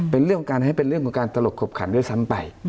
เป็นเรื่องของการให้เป็นเรื่องของการตลกขบขันด้วยซ้ำไป